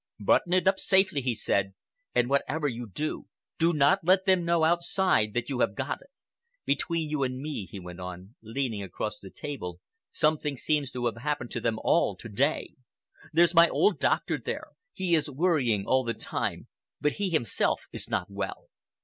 Button it up safely,' he said, 'and, whatever you do, do not let them know outside that you have got it. Between you and me,' he went on, leaning across the table, 'something seems to have happened to them all to day. There's my old doctor there. He is worrying all the time, but he himself is not well.